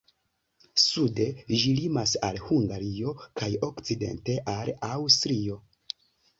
Sude ĝi limas al Hungario kaj okcidente al Aŭstrio.